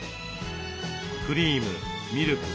クリームミルク